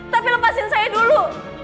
tapi lepasin saya dulu